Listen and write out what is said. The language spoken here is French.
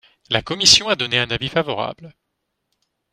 La commission a donné un avis favorable.